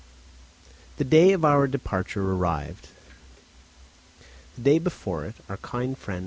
The day for our departure arrived. The day before it our kind friend M.